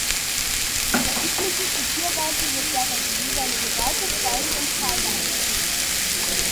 In der üblichen Zitierweise wird dabei die jeweilige Seite, Spalte und Zeile angegeben.